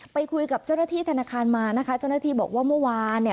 ไปคุยกับเจ้าหน้าที่ธนาคารมานะคะเจ้าหน้าที่บอกว่าเมื่อวานเนี่ย